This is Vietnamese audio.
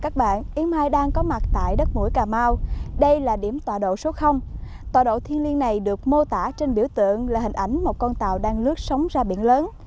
tòa độ số tòa độ thiên liên này được mô tả trên biểu tượng là hình ảnh một con tàu đang lướt sóng ra biển lớn